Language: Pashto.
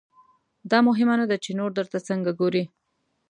دا مهمه نه ده چې نور درته څنګه ګوري.